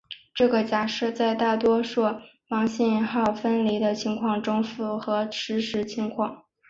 这个假设在大多数盲信号分离的情况中符合实际情况。